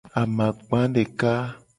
Amakpa deka.